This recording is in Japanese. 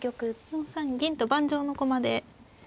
４三銀と盤上の駒で。